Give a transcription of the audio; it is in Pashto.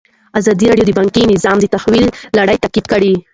ازادي راډیو د بانکي نظام د تحول لړۍ تعقیب کړې.